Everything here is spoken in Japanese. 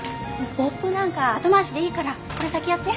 ポップなんか後回しでいいからこれ先やって。